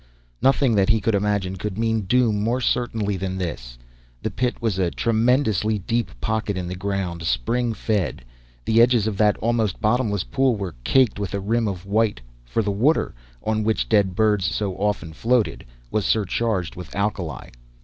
Nothing that he could imagine could mean doom more certainly than this. The Pit was a tremendously deep pocket in the ground, spring fed. The edges of that almost bottomless pool were caked with a rim of white for the water, on which dead birds so often floated, was surcharged with alkali.